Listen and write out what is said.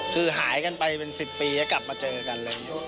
คือหายกันไปเป็น๑๐ปีแล้วกลับมาเจอกันเลย